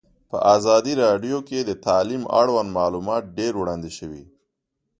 په ازادي راډیو کې د تعلیم اړوند معلومات ډېر وړاندې شوي.